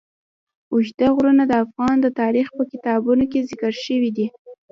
اوږده غرونه د افغان تاریخ په کتابونو کې ذکر شوی دي.